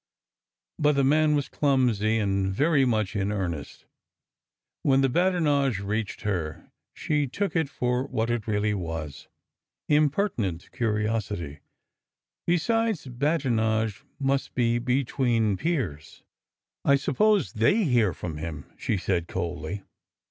But the man was clumsy and very much in earnest. When the badinage reached her, she took it for what it really was— impertinent curi osity. Besides, badinage must be between peers. I suppose they hear from him," she said coldly.